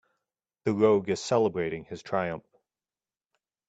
The rogue is celebrating his triumph.